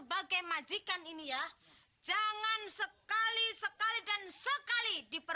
bagaimana perjuangan kita hari ini